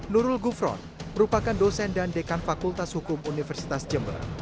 nurul gufron merupakan dosen dan dekan fakultas hukum universitas jember